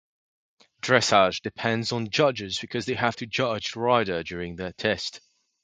Dressage depends on judges because they have to judge the rider during their test.